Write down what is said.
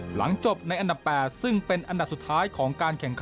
หลังจบในอันดับ๘ซึ่งเป็นอันดับสุดท้ายของการแข่งขัน